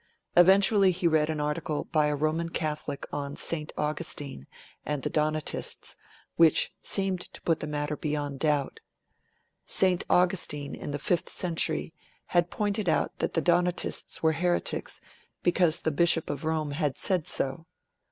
Eventually he read an article by a Roman Catholic on St. Augustine and the Donatists, which seemed to put the matter beyond doubt. St. Augustine, in the fifth century, had pointed out that the Donatists were heretics because the Bishop of Rome had said so.